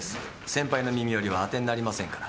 先輩の耳寄りはあてになりませんから。